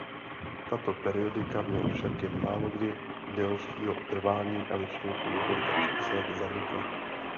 Tato periodika měla však jen málokdy delšího trvání a většinou po několika číslech zanikla.